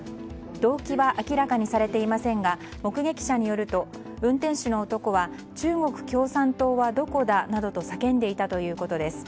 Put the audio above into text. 動機は明らかにされていませんが目撃者によると運転手の男は中国共産党はどこだなどと叫んでいたということです。